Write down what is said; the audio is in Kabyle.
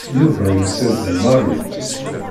Yuba yusa-d d Mary.